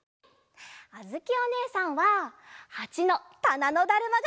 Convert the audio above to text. あづきおねえさんは８のたなのだるまがすきかな。